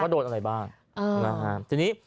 เพราะแม่ไม่รู้หรอกว่าโดนอะไรบ้าง